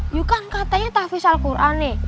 yuk kan katanya tahfizat al quran nih